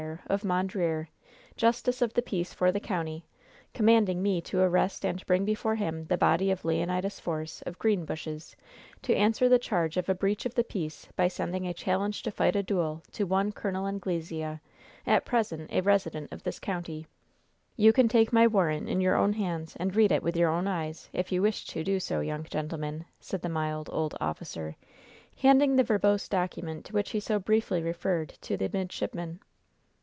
of Mondreer, justice of the peace for the county, commanding me to arrest and bring before him the body of Leonidas Force, of Greenbushes, to answer the charge of a breach of the peace by sending a challenge to fight a duel to one Col. Anglesea, at present a resident of this county. You can take my warrant in your own hands and read it with your own eyes, if you wish to do so, young gentleman," said the mild, old officer, handing the verbose document to which he so briefly referred to the midshipman.